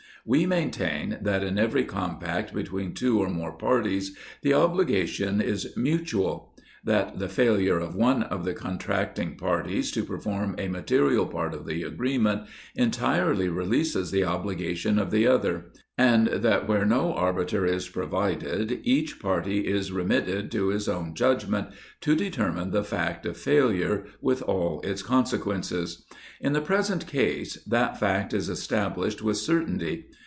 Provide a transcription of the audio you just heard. We maintain that in every compact between two or more parties, the obligation is mutual ; that the failure of one of the contracting parties to perform a material part of the agreement, entirely releases the obligation of the other; and that where no arbiter is provided, each party is remitted to his own judg ment to determine the fact of failure, with all its conse quences. In the present case, that fact is established with certainty.